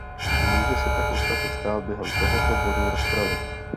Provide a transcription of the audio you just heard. Může se tak ostatně stát během tohoto bodu rozpravy.